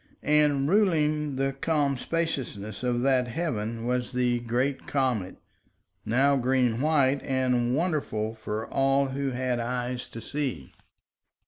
And ruling the calm spaciousness of that heaven was the great comet, now green white, and wonderful for all who had eyes to see.